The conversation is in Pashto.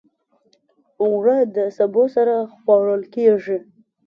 اوړه د سبو سره خوړل کېږي